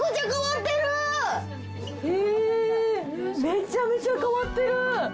めちゃめちゃ変わってる。